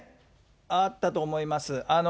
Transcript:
あったと思います。